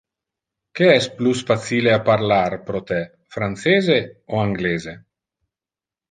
Que es plus facile a parlar pro te, francese o anglese?